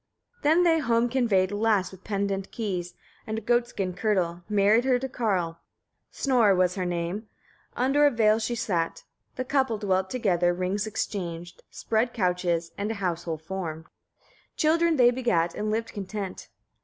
20. Then they home conveyed a lass with pendent keys, and goatskin kirtle; married her to Karl. Snor was her name, under a veil she sat. The couple dwelt together, rings exchanged, spread couches, and a household formed. 21. Children they begat, and lived content.